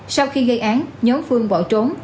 sau khi gây án nhóm phương bỏ trốn